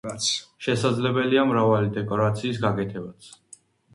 შესაძლებელია მრავალი დეკორაციის გაკეთებაც.